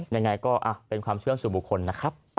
ยังไงก็เป็นความเชื่อสู่บุคคลนะครับ